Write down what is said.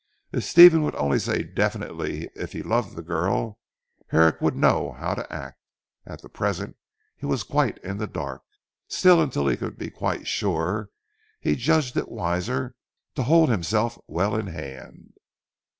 If Stephen would only say definitely if he loved the girl Herrick would know how to act. At present he was quite in the dark. Still until he could be quite sure he judged it wiser to hold himself well in hand.